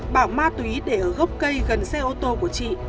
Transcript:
bảo ma túy để ở gốc cây gần xe ô tô của chị